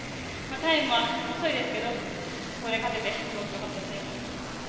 タイムは遅いですけどここで勝ててすごくホッとしています。